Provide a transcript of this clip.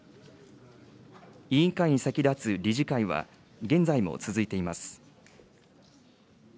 委員会に先立つ理事会は、現在も続いています。